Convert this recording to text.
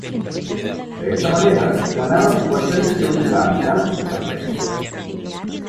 De esta manera ganaba su cuarta edición de la Milán-San Remo.